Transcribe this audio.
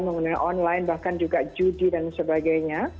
menggunakan online bahkan juga judi dan sebagainya